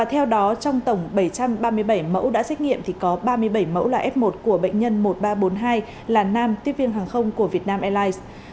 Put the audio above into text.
theo đó trong tổng bảy trăm ba mươi bảy mẫu đã xét nghiệm thì có ba mươi bảy mẫu là f một của bệnh nhân một nghìn ba trăm bốn mươi hai là nam tiếp viên hàng không của việt nam airlines